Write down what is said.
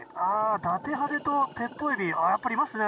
ダテハゼとテッポウエビやっぱりいますね。